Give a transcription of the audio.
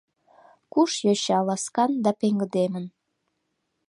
Куш, йоча, ласкан да пеҥгыдемын